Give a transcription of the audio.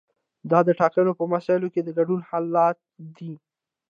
دا د ټاکنو په مسایلو کې د ګډون حالت دی.